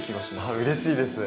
うれしいです。